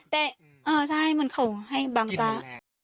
แต่ใช่เหมือนเขาให้บังตา